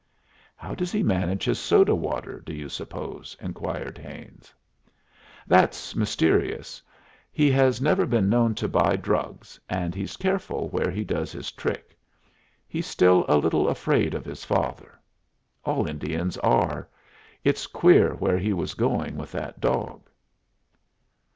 "How does he manage his soda water, do you suppose?" inquired Haines. "That's mysterious. He has never been known to buy drugs, and he's careful where he does his trick. He's still a little afraid of his father. All Indians are. It's queer where he was going with that dog."